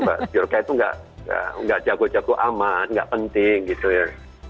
mbak biorka itu nggak jago jago aman nggak penting gitu ya